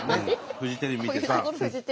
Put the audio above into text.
フジテレビ見てました。